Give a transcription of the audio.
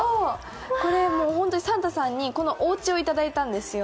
これ、サンタさんにこのおうちをいただいたんですよ。